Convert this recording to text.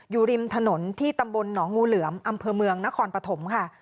อยู่ริมถนนที่ตำบลหนองงูเหลือมอำเภอเมืองนครปฐมค่ะ